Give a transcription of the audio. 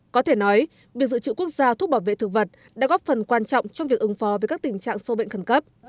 có thể nói việc dự trữ quốc gia thuốc bảo vệ thực vật đã góp phần quan trọng trong việc ứng phó với các tình trạng sâu bệnh khẩn cấp